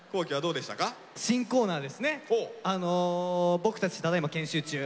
「僕たちただいま研修中」